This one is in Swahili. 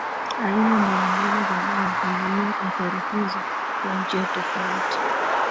Aina mbalimbali za dawa huzua athari hizi kwa njia tofauti